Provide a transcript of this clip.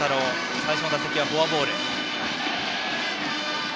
最初の打席はフォアボール。